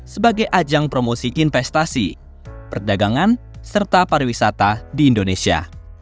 sebagai ajang promosi investasi perdagangan serta pariwisata di indonesia